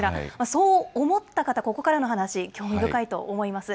そう思った方、ここからの話、興味深いと思います。